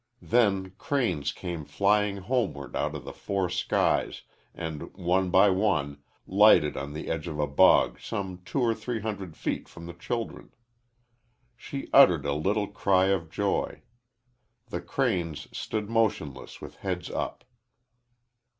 Then cranes came flying homeward out of the four skies, and, one by one, lighted on the edge of a bog some two or three hundred feet from the children. Sue uttered a little cry of joy. The cranes stood motionless with heads up.